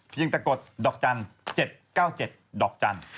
เพียงแต่กดดอกจันทร์๗๙๗ดอกจันทร์